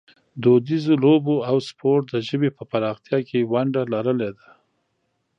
دودیزو لوبو او سپورټ د ژبې په پراختیا کې ونډه لرلې ده.